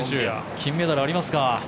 金メダルありますか。